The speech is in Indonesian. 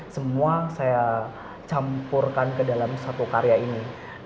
semua saya campurkan ke dalam satu karya ini